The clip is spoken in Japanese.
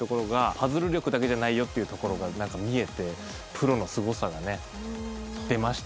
パズル力だけじゃないよっていうところが見えてプロのすごさがね出ましたね。